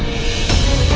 nih ga ada apa apa